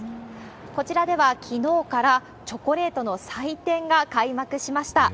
こちらではきのうからチョコレートの祭典が開幕しました。